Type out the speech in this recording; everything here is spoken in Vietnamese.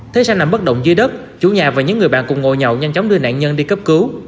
thấy xe nằm bất động dưới đất chủ nhà và những người bạn cùng ngồi nhậu nhanh chóng đưa nạn nhân đi cấp cứu